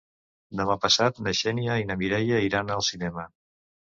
Demà passat na Xènia i na Mireia aniran al cinema.